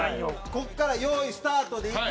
ここから、用意スタートで行く。